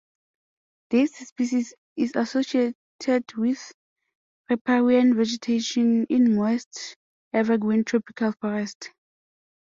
This species is associated with riparian vegetation in moist evergreen tropical forest.